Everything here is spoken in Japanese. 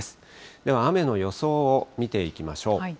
では雨の予想を見ていきましょう。